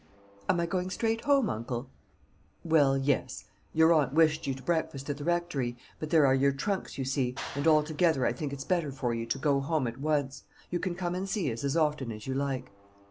"Am I going straight home, uncle?" "Well, yes. Your aunt wished you to breakfast at the Rectory; but there are your trunks, you see, and altogether I think it's better for you to go home at once. You can come and see us as often as you like."